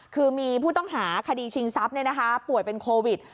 คือมีผู้ต้องหาคดีชิงทรัพย์ป่วยเป็นโควิด